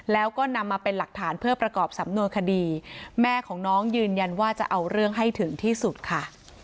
แล้วก็นำมาเป็นหลักฐานเพื่อประกอบสำนวนคดีแม่ของน้องยืนยันว่าจะเอาเรื่องให้ถึงที่สุดค่ะ